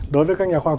đối với các nhà khoa học